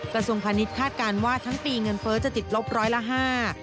กระทรวงพาณิชย์คาดการณ์ว่าทั้งปีเงินเฟ้อจะติดลบร้อยละห้า